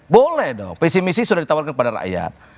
boleh dong pesimisi sudah ditawarkan kepada rakyat